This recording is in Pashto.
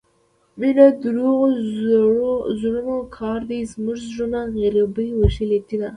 مينه دروغو زړونو كار دى زموږه زړونه غريبۍ وژلي دينه